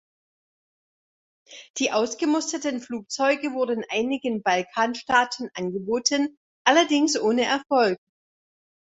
Die ausgemusterten Flugzeuge wurden einigen Balkanstaaten angeboten, allerdings ohne Erfolg.